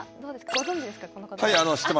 ご存じですか。